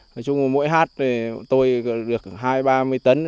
nói chung là mỗi hát tôi được hai mươi ba mươi tấn